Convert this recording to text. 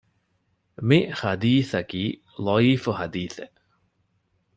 މިޙަދީޘަކީ ޟަޢީފު ޙަދީޘެއް